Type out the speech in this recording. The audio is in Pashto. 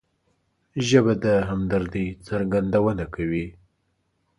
ژبه د همدردۍ څرګندونه کوي